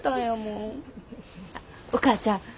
あっお母ちゃん。